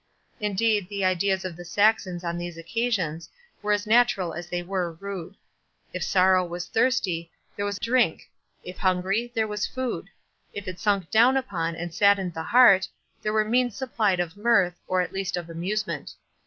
Indeed the ideas of the Saxons on these occasions were as natural as they were rude. If sorrow was thirsty, there was drink—if hungry, there was food—if it sunk down upon and saddened the heart, here were the means supplied of mirth, or at least of amusement.